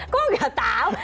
kok gak tau